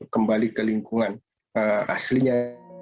kembali ke lingkungan aslinya